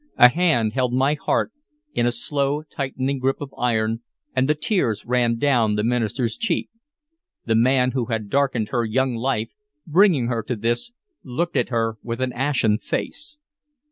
A hand held my heart in a slowly tightening grip of iron, and the tears ran down the minister's cheeks. The man who had darkened her young life, bringing her to this, looked at her with an ashen face.